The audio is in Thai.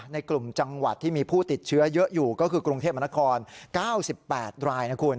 ในกลุ่มจังหวัดที่มีผู้ติดเชื้อเยอะอยู่ก็คือกรุงเทพมนคร๙๘รายนะคุณ